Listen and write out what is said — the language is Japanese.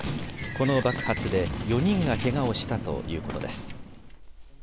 この爆発で４人がけがをしたということです。